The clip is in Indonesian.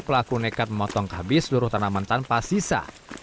pelaku nekat memotong habis seluruh tanaman tanpa sisa